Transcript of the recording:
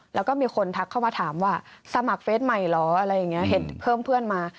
แล้วก็มีคนทักเข้ามาถามว่าสมัครเฟสใหม่เหรออะไรอย่างนี้เห็นเพิ่มเพื่อนมา